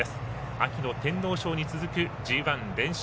秋の天皇賞に続くＧＩ連勝。